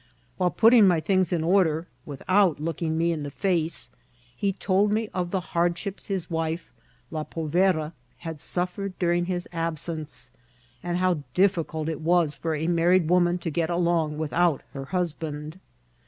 While putting my things in order, without looking me in the face, he told me of the hardships his wife, ^^ la povera," had suffered during his absence, and how diffi cult it was for a married woman to get along without her husband.